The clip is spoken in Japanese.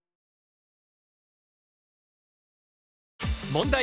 問題。